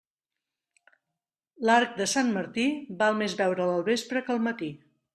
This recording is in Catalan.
L'arc de Sant Martí, val més veure'l al vespre que al matí.